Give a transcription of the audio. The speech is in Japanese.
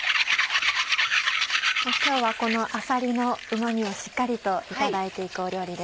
今日はこのあさりのうま味をしっかりといただいて行く料理です。